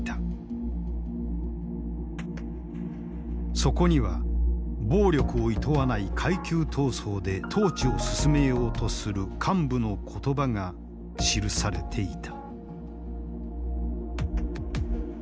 そこには暴力をいとわない階級闘争で統治を進めようとする幹部の言葉が記されていた。